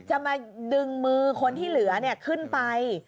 จะมาดึงมือคนที่เหลือขึ้นไป